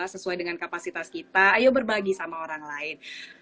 sesuai dengan kapasitas kita ayo berbagi sama orang lain